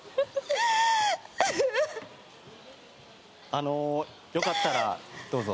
あのよかったらどうぞ。